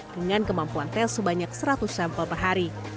dengan kemampuan tes sebanyak seratus sampel per hari